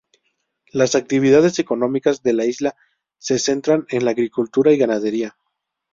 Las actividades económicas de la isla se centran en la agricultura y ganadería.